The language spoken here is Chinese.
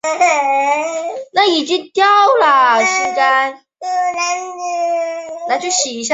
从摩星岭顶端可以看到广州市区的状况。